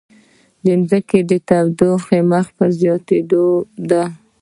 د ځمکې تودوخه مخ په زیاتیدو ده